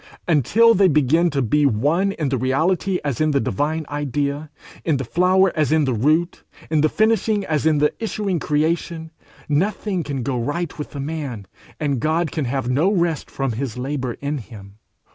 Until they begin to be one in the reality as in the divine idea, in the flower as in the root, in the finishing as in the issuing creation, nothing can go right with the man, and God can have no rest from his labour in him.